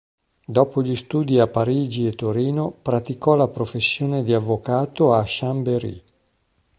Dopo gli studi a Parigi e Torino, praticò la professione di avvocato a Chambéry.